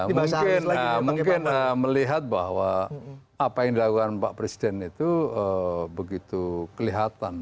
mungkin melihat bahwa apa yang dilakukan pak presiden itu begitu kelihatan